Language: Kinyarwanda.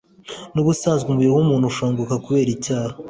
n'ubusanzwe umubiri wa muntu ushanguka kubera icyaha